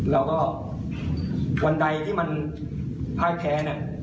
แล้วเวลาที่วันใดที่ภายแพ้